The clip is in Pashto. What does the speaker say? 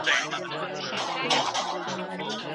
په مرکه کې تل نرم او خوږې خبرې وکړئ.